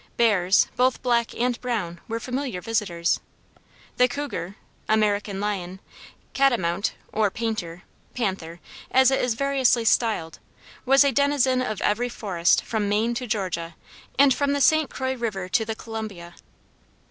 Bears, both black and brown, were familiar visitors. The cougar, American lion, catamount, or "painter" (panther), as it is variously styled, was a denizen of every forest from Maine to Georgia, and from the St. Croix River to the Columbia.